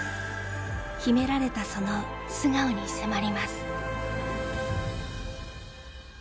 秘められたその素顔に迫ります